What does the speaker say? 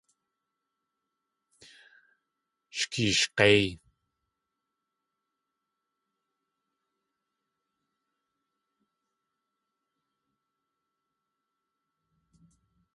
Sh keeshg̲éiy!